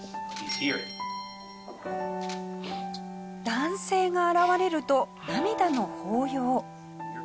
男性が現れると涙の抱擁。